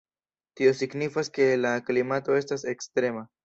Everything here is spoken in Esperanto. Tio signifas ke la klimato estas ekstrema.